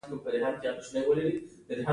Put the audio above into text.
دا د اتمې میاشتې په دویمه نیټه لیکل شوې ده.